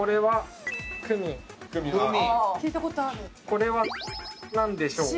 これはなんでしょう？